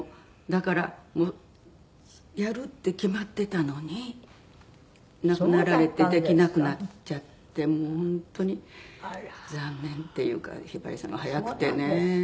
だからもうやるって決まってたのに亡くなられてできなくなっちゃってもう本当に残念っていうかひばりさんが早くてね。